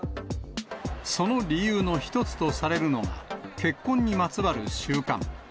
その理由の一つとされるのが、結婚にまつわる習慣。